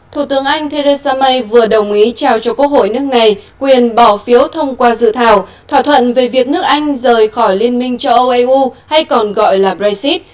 thủ tướng anh theresa may vừa đồng ý trao cho quốc hội nước này quyền bỏ phiếu thông qua dự thảo thỏa thuận về việc nước anh rời khỏi liên minh châu âu eu hay còn gọi là brexit